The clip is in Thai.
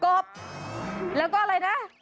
บแล้วก็อะไรนะ